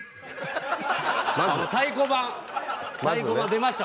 太鼓判出ました。